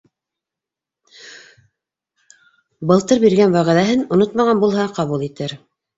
Былтыр биргән вәғәҙәһен онотмаған булһа, ҡабул итер.